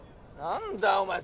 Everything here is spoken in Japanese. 何だお前